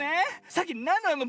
さっきなんなの？